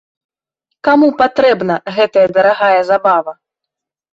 Каму патрэбна гэтая дарагая забава?